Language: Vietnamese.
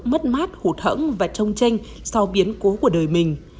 mất mát hụt hẫng và trông tranh sau biến cố của đời mình